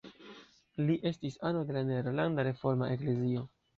Li estis ano de la Nederlanda Reforma Eklezio.